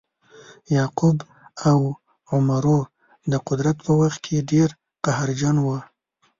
یعقوب او عمرو د قدرت په وخت کې ډیر قهرجن وه.